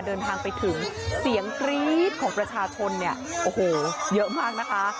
เดินทางไปถึงเสียงกรี๊ดของประชาชนเนี่ยโอ้โหเยอะมากนะคะ